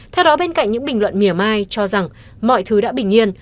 theo đó bên cạnh những bình luận miểu mai cho rằng mọi thứ đã bình yên